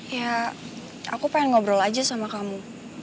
ya aku pengen ngobrol aja sama kamu